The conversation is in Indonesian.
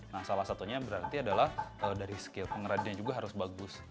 nah salah satunya berarti adalah dari skill pengrajinnya juga harus bagus